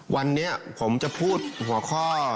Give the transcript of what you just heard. วันนี้ผมจะพูดหัวข้อ